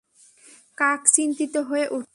কাক চিন্তিত হয়ে উঠল।